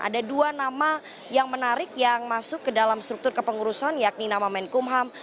ada dua nama yang menarik yang masuk ke dalam struktur kepengurusan yakni nama menkumham